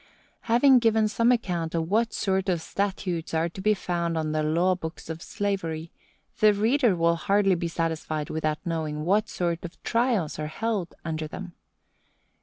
_ Having given some account of what sort of statutes are to be found on the law books of slavery, the reader will hardly be satisfied without knowing what sort of trials are held under them.